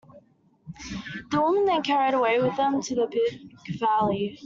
The women they carried away with them to the Big Valley.